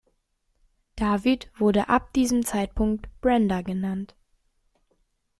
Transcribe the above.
David wurde ab diesem Zeitpunkt Brenda genannt.